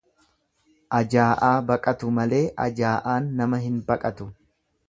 Ajaa'aa baqatu malee ajaa'aan nama hin baqatu.